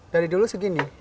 dari dulu segini